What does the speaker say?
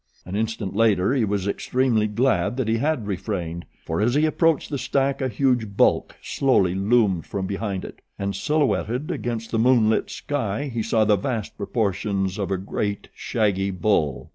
An instant later he was extremely glad that he had refrained, for as he approached the stack a huge bulk slowly loomed from behind it; and silhouetted against the moonlit sky he saw the vast proportions of a great, shaggy bull.